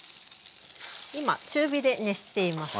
今中火で熱しています。